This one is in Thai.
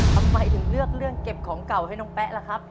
ทำไมถึงเลือกเรื่องเก็บของเก่าให้น้องแป๊ะล่ะครับ